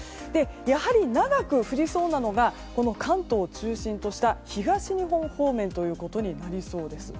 やはり長く降りそうなのが関東を中心とした東日本方面ということになりそうです。